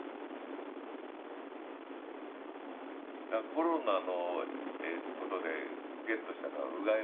コロナのことでゲットしたのはうがいのしかた。